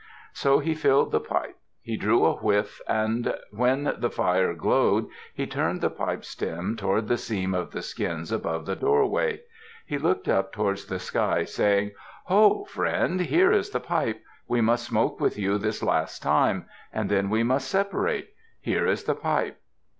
So he filled the pipe. He drew a whiff, and when the fire glowed, he turned the pipestem toward the seam of the skins above the doorway. He looked up towards the sky, saying, "Ho, friend, here is the pipe. We must smoke with you this last time. And then we must separate. Here is the pipe."